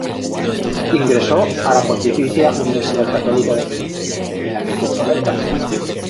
Ingresó a la Pontificia Universidad Católica de Perú, en la que cursó Letras.